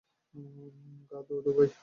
গা, দাদুভাই!